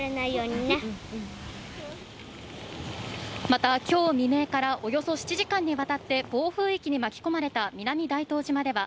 また、今日未明から、およそ７時間にわたって暴風域に巻き込まれた南大東島では